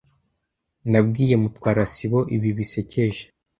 Nabwiye Mutwara sibo ibi bisekeje.